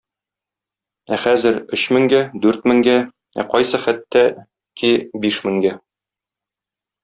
Ә хәзер - өч меңгә, дүрт меңгә, ә кайсы хәттә ки биш меңгә.